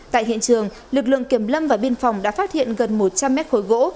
tại hiện trường lực lượng kiểm lâm và biên phòng đã phát hiện gần một trăm linh mét khối gỗ